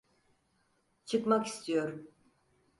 Çıkmak istiyorum.